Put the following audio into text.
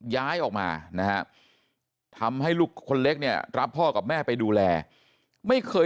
ย้ายออกมานะฮะทำให้ลูกคนเล็กเนี่ยรับพ่อกับแม่ไปดูแลไม่เคย